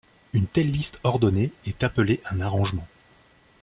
Une telle liste ordonnée est appelée un arrangement.